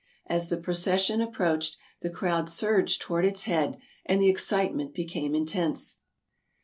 As the procession approached, the crowd surged toward its head, and the excitement became intense.